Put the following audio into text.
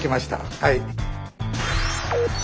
はい。